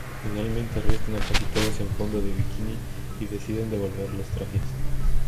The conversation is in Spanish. Finalmente, arrestan a casi todos en Fondo de Bikini, y deciden devolver los trajes.